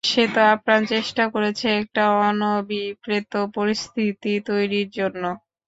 সেতো আপ্রাণ চেষ্টা করেছে একটা অনভিপ্রেত পরিস্থিতি তৈরীর জন্য!